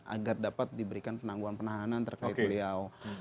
agar dapat diberikan penangguhan penahanan terkait beliau